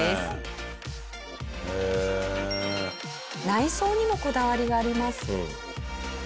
内装にもこだわりがあります。